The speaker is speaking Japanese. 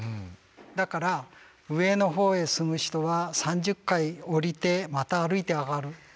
だから上の方へ住む人は３０階下りてまた歩いて上がる。